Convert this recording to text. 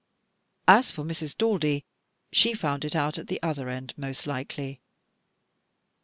As for Mrs. Daldy, she found it out at the other end, most likely.